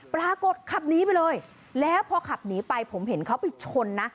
ปรากฏขับหนีไปเลยแล้วพอขับหนีไปผมเห็นเขาไปชนนะ